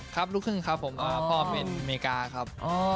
ลูกครึ่งครับผมพ่อเป็นอเมริกาครับ